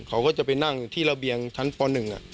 เขาก็จะไปนั่งที่ระเบียงชั้นป๑